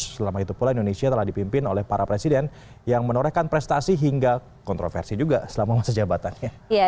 selama itu pula indonesia telah dipimpin oleh para presiden yang menorehkan prestasi hingga kontroversi juga selama masa jabatannya